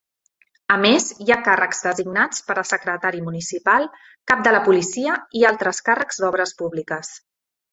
A més, hi ha càrrecs designats per a secretari municipal, cap de la policia i altres càrrecs d'obres públiques.